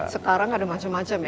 sekarang ada macam macam ya